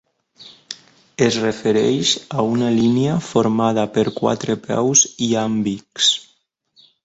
Es refereix a una línia formada per quatre peus iàmbics.